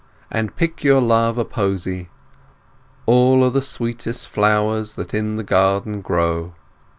And pick your love a posy, All o' the sweetest flowers That in the garden grow.